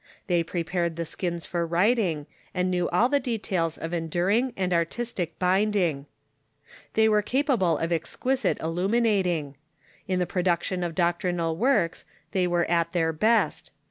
They prepared the skins for writing, and knew all the details of enduring and artistic binding. They were capable of exquisite illuminating. In the produc tion of doctrinal works they were at their best.